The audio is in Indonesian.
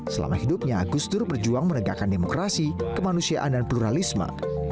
selama hidupnya gus dur berjuang menegakkan demokrasi kemanusiaan dan pluralisme